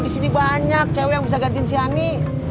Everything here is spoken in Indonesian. disini banyak cewek yang bisa gantin si ani